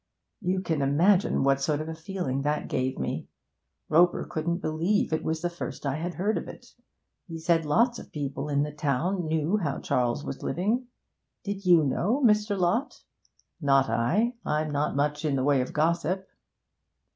You can imagine what sort of a feeling that gave me. Roper couldn't believe it was the first I had heard of it; he said lots of people in the town knew how Charles was living. Did you know, Mr. Lott?' 'Not I; I'm not much in the way of gossip.'